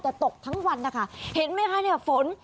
แต่ตกทั้งวันนะคะเห็นไหมคะเนี่ยฝน